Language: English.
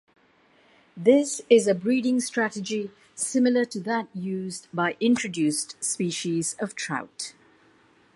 This is a breeding strategy similar to that used by introduced species of trout.